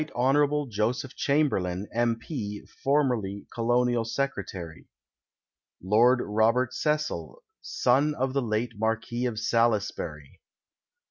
Hon. Joseph Chamberlain, M. P., formerly; Colonial Secretary. Lord Robert Cecil, son of the late Marquis of Salisbury.